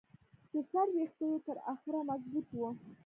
د سر ویښته یې تر اخره مضبوط وو.